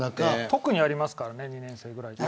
特にありますからね２年生ぐらい。